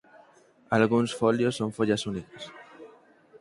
Algúns folios son follas únicas.